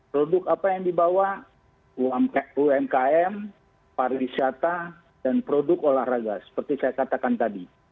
produk apa yang dibawa umkm pariwisata dan produk olahraga seperti saya katakan tadi